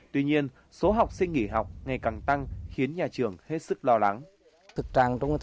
tuy nhiên số học sinh nghỉ học ngày càng tăng khiến nhà trường hết sức lo lắng